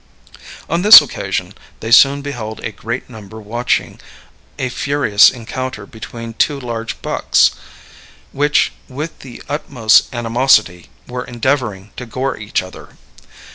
On this occasion they soon beheld a great number watching a furious encounter between two large bucks, which, with the utmost animosity, were endeavoring to gore each other.